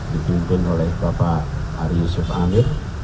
dipimpin oleh bapak ari yusuf amir